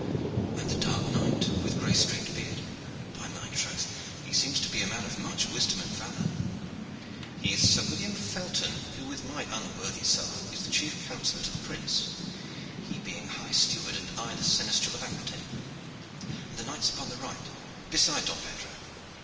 "And the dark knight with gray streaked beard? By my troth, he seems to be a man of much wisdom and valor." "He is Sir William Felton, who, with my unworthy self, is the chief counsellor of the prince, he being high steward and I the seneschal of Aquitaine." "And the knights upon the right, beside Don Pedro?"